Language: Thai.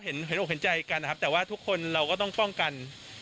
เห็นอกเห็นใจกันนะครับแต่ว่าทุกคนเราก็ต้องป้องกัน